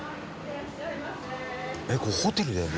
えっこれホテルだよね？